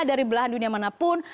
dari belahan dunia manapun